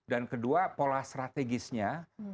dan kedua pola strategisnya